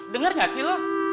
dengar gak sih lo